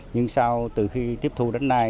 nhưng sau từ khi tiếp thu đến nay